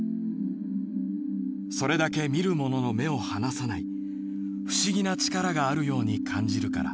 「それだけ見る者の目を離さない不思議な力があるように感じるから」。